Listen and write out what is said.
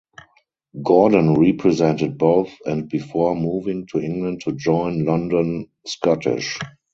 Gordon represented both and before moving to England to join London Scottish.